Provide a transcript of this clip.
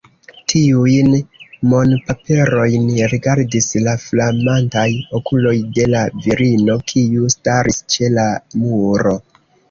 Tiujn monpaperojn rigardis la flamantaj okuloj de la virino, kiu staris ĉe la muro.